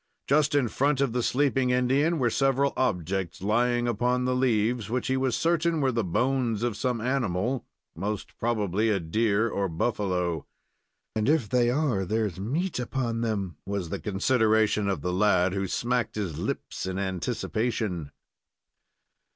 Just in front of the sleeping Indian were several objects lying upon the leaves, which he was certain were the bones of some animal, most probably a deer or buffalo. "And if they are, there's meat upon them," was the consideration of the lad, who smacked his lips in anticipation.